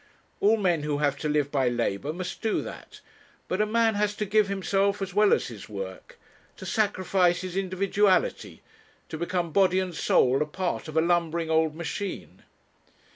All men who have to live by labour must do that; but a man has to give himself as well as his work; to sacrifice his individuality; to become body and soul a part of a lumbering old machine.'